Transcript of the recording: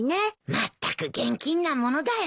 まったく現金なものだよ。